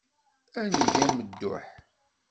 Ad neg amedduḥ.